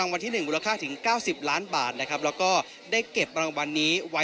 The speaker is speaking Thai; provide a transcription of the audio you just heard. วันที่๑มูลค่าถึง๙๐ล้านบาทนะครับแล้วก็ได้เก็บรางวัลนี้ไว้